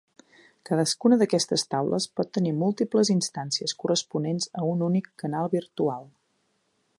Cadascuna d'aquestes taules pot tenir múltiples instàncies corresponents a un únic canal virtual.